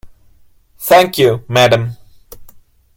Thank you, madam.